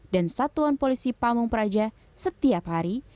dan satuan polisi pamung praja setiap hari